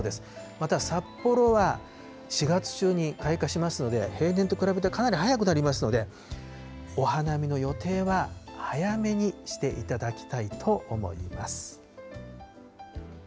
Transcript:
また、札幌は４月中に開花しますので、平年と比べるとかなり早くなりますので、お花見の予定は早めにしていただきたいと思います。